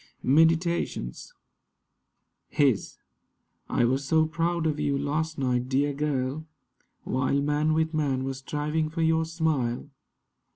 MEDITATIONS HIS I WAS so proud of you last night, dear girl, While man with man was striving for your smile.